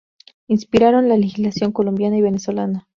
Inspiraron la legislación colombiana y venezolana.